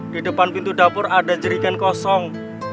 di depan pintu dapur ada jerikan kosong